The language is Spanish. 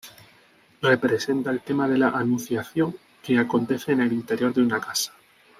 Representa el tema de la anunciación, que acontece en el interior de una casa.